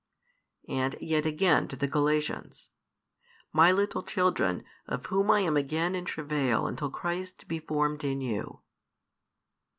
And yet again to the Galatians: My little children, of whom I am again in travail until Christ be formed in you.